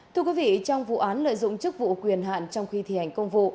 thưa quý vị trong vụ án lợi dụng chức vụ quyền hạn trong khi thi hành công vụ